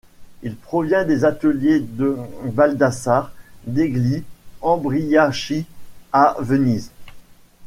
Il provient des ateliers de Baldassare degli Embriachi à Venise.